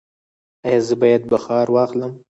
ایا زه باید بخار واخلم؟